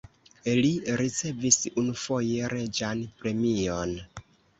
Li ricevis unufoje reĝan premion.